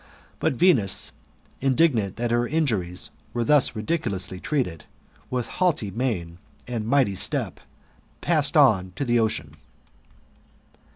But Venus, indignant that her injuries were thus ridiculously treated, with haughty mien and hasty step, passed on to the ocean.